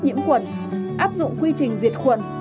nhiễm quẩn áp dụng quy trình diệt quẩn